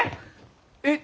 えっ！？